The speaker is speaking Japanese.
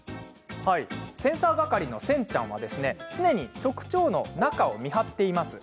センサー係のセンちゃんは常に直腸の中を見張っています。